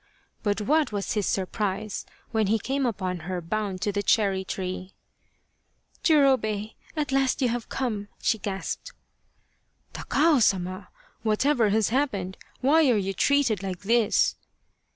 But what was his surprise when he came upon her bound to the cherry tree. " Jurobei, at last you have come !" she gasped. " Takao Sama, whatever has happened ? Why are you treated like this